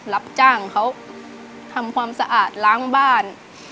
รับจ้างเขาทำความสะอาดล้างบ้าน